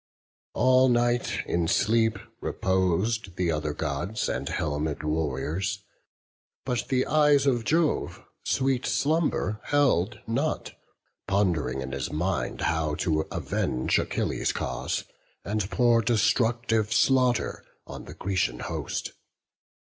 BOOK II. All night in sleep repos'd the other Gods, And helmed warriors; but the eyes of Jove Sweet slumber held not, pondering in his mind How to avenge Achilles' cause, and pour Destructive slaughter on the Grecian host.